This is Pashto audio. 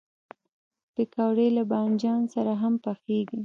پکورې له بادنجان سره هم پخېږي